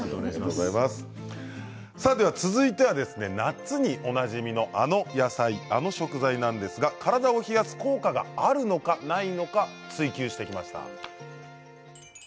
続いては夏におなじみのあの野菜、あの食材なんですが体を冷やす効果があるのかないのか追及してきました。